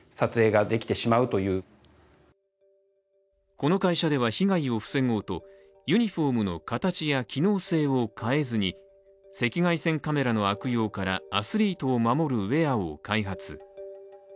この会社では被害を防ごうとユニフォームの形や機能性を変えずに赤外線カメラの悪用からアスリートを守るウエアを開発。